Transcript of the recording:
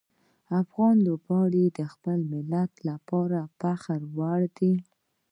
افغان لوبغاړي د خپل ملت لپاره د فخر وړ دي.